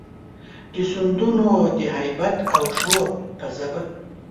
د سیندونو د هیبت او شور په ژبه،